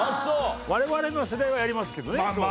我々の世代はやりますけどね。